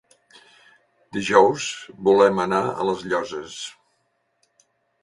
Dijous volem anar a les Llosses.